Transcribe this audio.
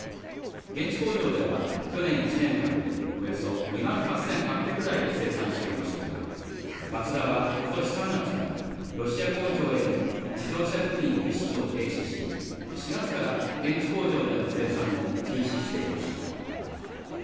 現地工場では去年１年間でおよそ２万８８００台を生産していましたがマツダは今年３月からロシア工場への自動車部品輸出を停止し、４月から現地工場での生産を休止していました。